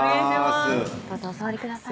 どうぞお座りください